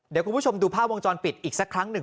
เดี๋ยวคุณผู้ชมดูภาพวงจรปิดอีกสักครั้งหนึ่ง